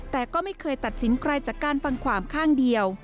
แต่ก็ไม่เคยตัดสินใครจากการฟังความข้างเดียว